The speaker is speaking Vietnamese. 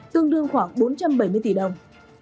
tương đương khoảng bốn trăm bảy mươi tỷ đồng